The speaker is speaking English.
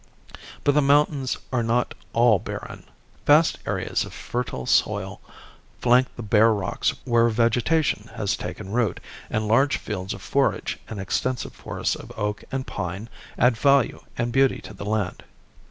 But the mountains are not all barren. Vast areas of fertile soil flank the bare rocks where vegetation has taken root, and large fields of forage and extensive forests of oak and pine add value and beauty to the land.